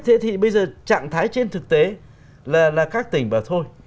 thế thì bây giờ trạng thái trên thực tế là các tỉnh mà thôi